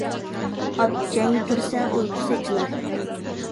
ئات جەڭگە كىرسە ئۇيقۇسى ئېچىلار.